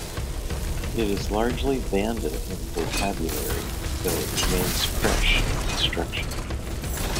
It is largely Banda in vocabulary, though it remains Kresh in structure.